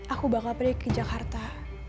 aku bakal pergi ke jakarta